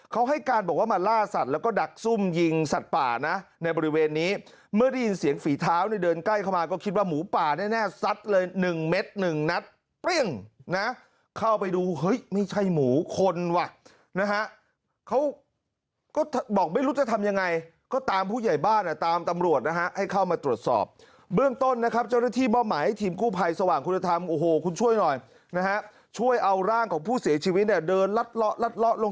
ใกล้เข้ามาก็คิดว่าหมูป่าแน่แน่สัดเลยหนึ่งเม็ดหนึ่งนัดเปรี้ยงนะเข้าไปดูเฮ้ยไม่ใช่หมูคนว่ะนะฮะเขาก็บอกไม่รู้จะทำยังไงก็ตามผู้ใหญ่บ้าเนี่ยตามตำรวจนะฮะให้เข้ามาตรวจสอบเบื้องต้นนะครับเจ้าระที่บ้อไหมทีมคู่ภัยสว่างคุณธรรมโอ้โหคุณช่วยหน่อยนะฮะช่วยเอาร่างของผู้เสียชีวิตเนี่ยเดิน